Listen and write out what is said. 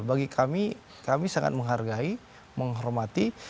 bagi kami kami sangat menghargai menghormati